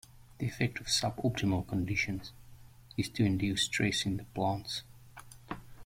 The effect of sub-optimal conditions is to induce stress in the plants.